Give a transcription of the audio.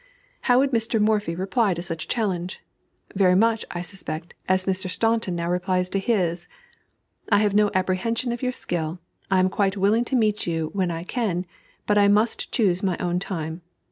How would Mr. Morphy reply to such a challenge? Very much, I suspect, as Mr. Staunton now replies to his: "I have no apprehension of your skill; I am quite willing to meet you when I can, but I must choose my own time.